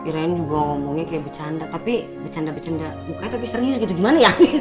kirain gue ngomongnya kayak bercanda tapi bercanda bercanda bukanya serius gitu gimana ya